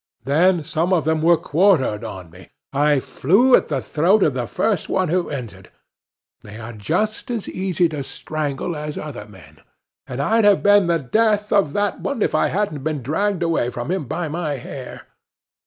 Then some of them were quartered on me; I flew at the throat of the first one who entered. They are just as easy to strangle as other men! And I'd have been the death of that one if I hadn't been dragged away from him by my hair.